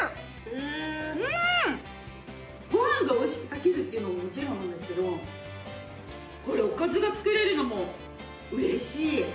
ご飯が美味しく炊けるっていうのはもちろんなんですけどこれおかずが作れるのも嬉しい！